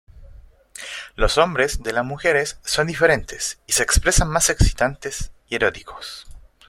Los hombres de las mujeres son diferentes y se expresan más excitantes y eróticos.